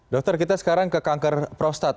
dokter kita sekarang ke kanker prostat